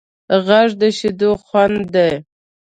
غږ د شیدو خوند دی